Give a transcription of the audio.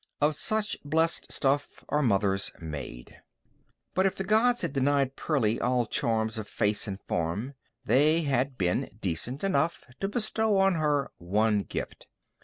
Of such blessed stuff are mothers made. But if the gods had denied Pearlie all charms of face or form, they had been decent enough to bestow on her one gift.